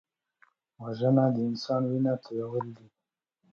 وژنه د انسان وینه تویول دي